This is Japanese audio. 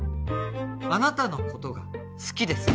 あなたのことが好きです